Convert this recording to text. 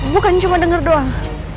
bukannya cuma dengar doang